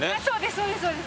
そうですそうです。